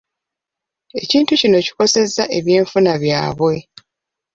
Ekintu kino kikosezza ebyenfuna byabwe.